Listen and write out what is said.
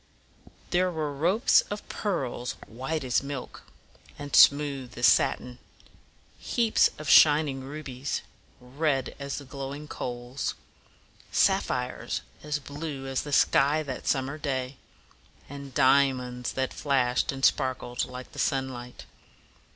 There were ropes of pearls, white as milk, and smooth as satin; heaps of shining rubies, red as the glowing coals; sap phires as blue as the sky that summer day; and di a monds that flashed and sparkled like the sunlight.